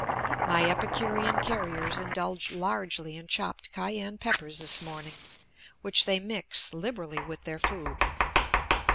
My epicurean carriers indulge largely in chopped cayenne peppers this morning, which they mis liberally with their food.